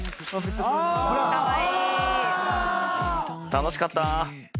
楽しかったなぁ。